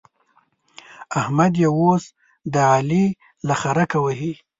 احمد يې اوس د علي له خرکه وهي.